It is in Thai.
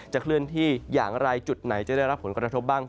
เคลื่อนที่อย่างไรจุดไหนจะได้รับผลกระทบบ้าง